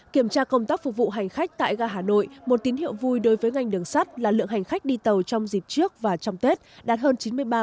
kiểm tra công tác phục vụ hành khách tại gà hà nội một tín hiệu vui đối với ngành đường sắt là lượng hành khách đi tàu trong dịp trước và trong tết đạt hơn chín mươi ba